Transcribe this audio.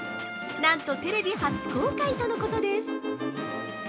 なんとテレビ初公開とのことです。